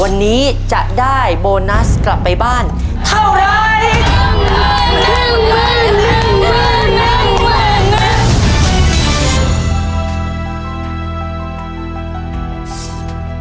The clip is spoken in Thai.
วันนี้จะได้โบนัสกลับไปบ้านเท่าไร